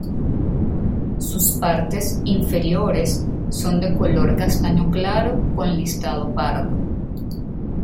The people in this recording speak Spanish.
Sus partes inferiores son de color castaño claro con listado pardo.